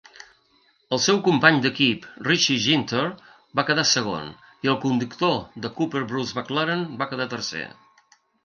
El seu company d'equip, Richie Ginter, va quedar segon i el conductor de Cooper Bruce McLaren va quedar tercer.